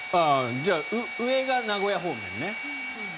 じゃあ、上が名古屋方面ね。